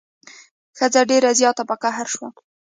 ښځه ډیر زیات په قهر شوه.